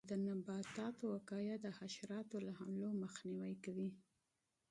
د نباتاتو وقایه د حشراتو له حملو مخنیوی کوي.